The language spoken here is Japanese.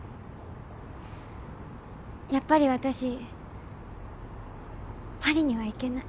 やっぱり私パリには行けない。